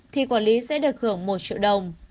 thì quản lý sẽ được hưởng một triệu đồng